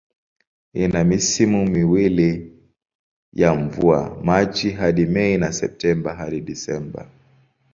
Ina misimu miwili ya mvua, Machi hadi Mei na Septemba hadi Disemba.